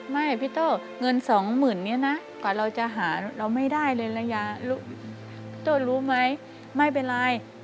ไม่พี่โตเงิน๒๐๐๐๐บาทนี้นะกว่าเราจะหาเราไม่ได้เลยละพี่โตรู้ไหมไม่เป็นไร